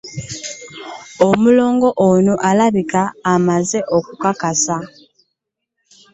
Omulongo ono alabika amaze okukakasa.